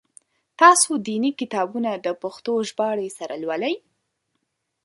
تاسو دیني کتابونه د پښتو ژباړي سره لولی؟